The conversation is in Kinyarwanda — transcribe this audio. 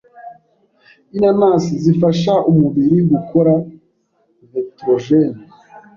inanasi zifasha umubiri gukora vetrogen